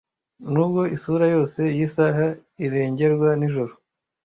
Nubwo isura yose yisaha irengerwa nijoro.